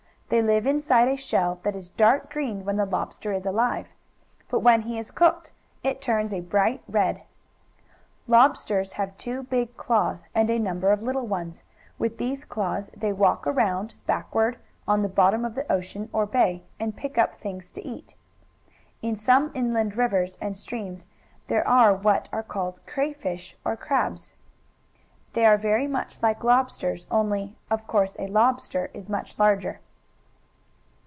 They live inside a shell that is dark green when the lobster is alive. But when he is cooked it turns a bright red. Lobsters have two big claws, and a number of little ones, and with these claws they walk around, backward, on the bottom of the ocean or bay, and pick up things to eat. In some inland rivers and streams there are what are called crayfish, or crabs. They are very much like lobsters, only, of course, a lobster is much larger.